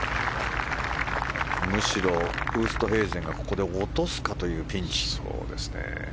むしろウーストヘイゼンがここで落とすかというピンチ。